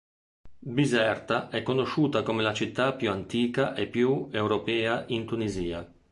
Biserta è conosciuta come la città più antica e più europea in Tunisia.